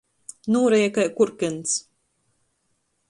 Nūreja kai kurkyns.